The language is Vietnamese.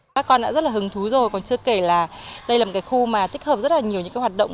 các con đã rất là hứng thú rồi còn chưa kể là đây là một khu mà thích hợp rất là nhiều những hoạt động